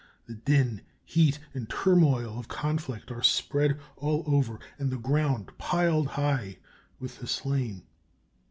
The din, heat, and turmoil of conflict are spread over all, and the ground piled high with the slain."